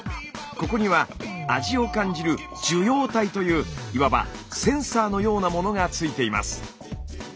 ここには味を感じる受容体といういわばセンサーのようなものがついています。